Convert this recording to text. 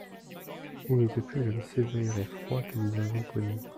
Il n'était plus l'homme sévère et froid que nous avons connu.